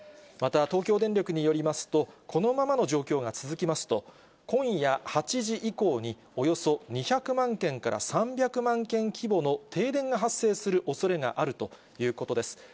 また、東京電力によりますと、このままの状況が続きますと、今夜８時以降に、およそ２００万軒から３００万軒規模の停電が発生するおそれがあるということです。